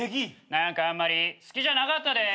「何かあんまり好きじゃなかったです」